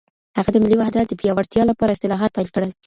هغه د ملي وحدت د پیاوړتیا لپاره اصلاحات پیل کړل.